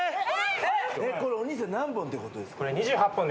これお兄さん何本ってことですか？